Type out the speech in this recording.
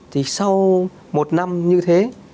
thì sau một năm như thế